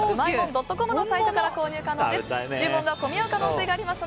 ドットコムのサイトから購入可能です。